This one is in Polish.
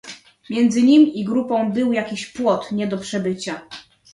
"Między nim i grupą był jakiś płot nie do przebycia."